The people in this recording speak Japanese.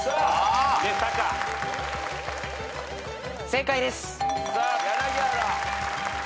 正解です。